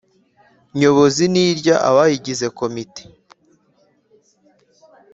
Nyobozi nirya abayigize komite